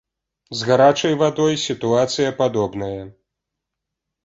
З гарачай вадой сітуацыя падобная.